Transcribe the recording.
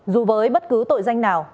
dù với bất cứ tội danh nào